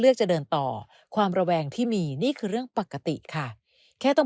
จะเดินต่อความระแวงที่มีนี่คือเรื่องปกติค่ะแค่ต้อง